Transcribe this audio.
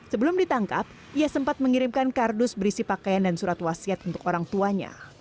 sebelum ditangkap ia sempat mengirimkan kardus berisi pakaian dan surat wasiat untuk orang tuanya